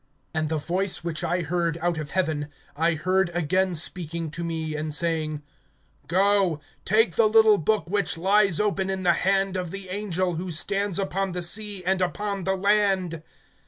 (8)And the voice which I heard out of heaven [I heard] again speaking to me, and saying: Go, take the little book which lies opened in the hand of the angel, who stands upon the sea and upon the land.